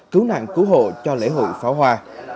cứu nạn cứu hộ cho lễ hội pháo hoa